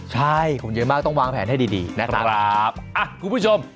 ใช่ผมเยอะมากต้องวางแผนให้ดีดีนะครับอ่ะคุณผู้ชม